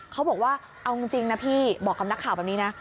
เขาบอกว่าเอาจริงนะพี่บอกกับนักข่าวแบบนี้นะ